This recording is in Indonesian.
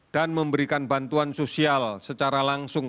dan memberikan bantuan sosial secara langsung